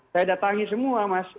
saya datangi semua mas